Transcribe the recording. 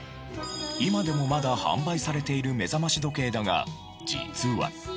今でもまだ販売されている目覚まし時計だが実は。